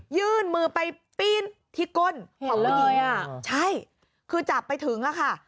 ยื่นมือไปปีนที่ก้นของผู้หญิงอ่ะใช่คือจับไปถึงอ่ะค่ะ